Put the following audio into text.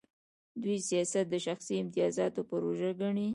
دوی سیاست د شخصي امتیازاتو پروژه ګڼي.